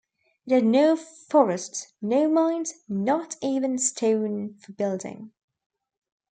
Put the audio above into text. It had no forests, no mines--not even stone for building.